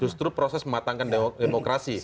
justru proses mematangkan demokrasi